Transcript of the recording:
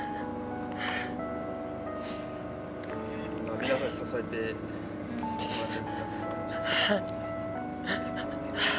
皆さんに支えてもらって。